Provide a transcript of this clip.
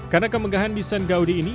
karena kemegahan desain gaudi ini